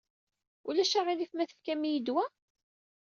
Ulac aɣilif ma tefkam-iyi-d wa?